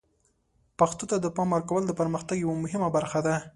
پښتو ته د پام ورکول د پرمختګ یوه مهمه برخه ده.